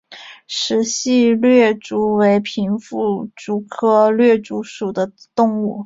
石隙掠蛛为平腹蛛科掠蛛属的动物。